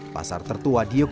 pasar tertua di yogyakarta